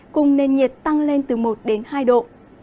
cùng nền nhiệt tăng lên từ một hai độ